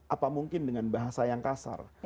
apa mungkin dengan bahasa yang kasar